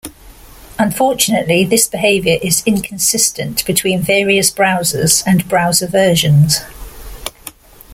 Unfortunately, this behavior is inconsistent between various browsers and browser versions.